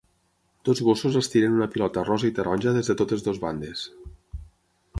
Dos gossos estiren una pilota rosa i taronja des de totes dues bandes.